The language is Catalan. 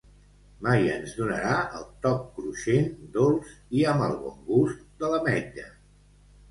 Mai ens donarà el toc cruixent, dolç i amb el bon gust de l'ametlla.